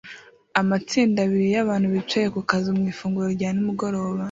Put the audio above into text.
Amatsinda abiri yabantu bicaye ku kazu mu ifunguro rya nimugoroba